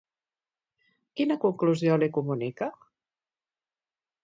Quina conclusió li comunica?